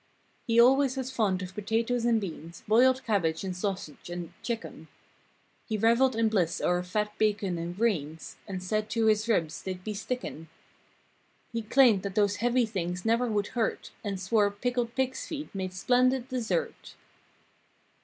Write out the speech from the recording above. He always was fond of potatoes and beans; Boiled cabbage and sausage and—chicken. He reveled in bliss o'er fat bacon and greens And said to his ribs they'd be stickin'. He claimed that those "heavy things" never would hurt. And swore pickled pigs feet, made splendid dessert.